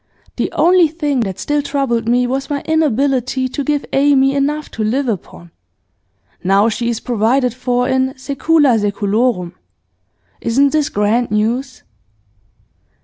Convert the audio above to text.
The only thing that still troubled me was my inability to give Amy enough to live upon. Now she is provided for in secula seculorum. Isn't this grand news?